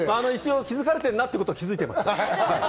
気づかれてるなってことに気づいてました。